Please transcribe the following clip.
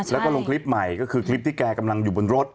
แล้วก็ลงคลิปใหม่ก็คือคลิปที่แกกำลังอยู่บนรถ